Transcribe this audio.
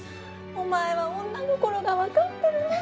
お前は女心がわかってるね。